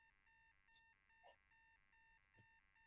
斗六郡为台湾日治时期的行政区划之一。